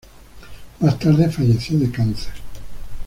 Más tarde falleció de cáncer.